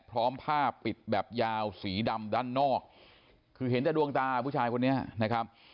พร้อมผ้าปิดแบบยาวสีดำด้านนอกคือเห็นแต่ดวงตาผู้ชายคนนี้นะครับ